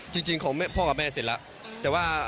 จริงของพ่อกับแม่เสร็จแล้ว